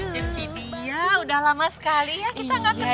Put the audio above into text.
cetini ya udah lama sekali ya kita gak ketemu